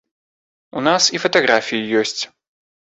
У нас і фатаграфіі ёсць.